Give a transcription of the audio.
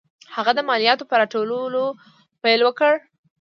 هغه د مالیاتو په راټولولو پیل وکړ.